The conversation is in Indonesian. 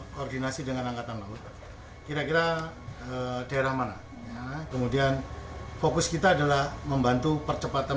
koordinasi dengan angkatan laut kira kira daerah mana kemudian fokus kita adalah membantu percepatan